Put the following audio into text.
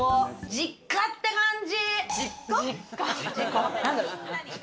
実家って感じ。